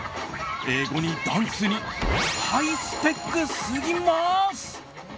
英語にダンスにハイスペックすぎます！